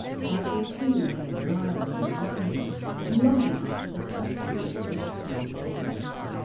Tangle, too, lay admiring, and wondering, and longing after the country whence the shadows came.